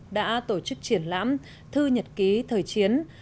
đã tổ chức triển lãm thư nhật ký thời chiến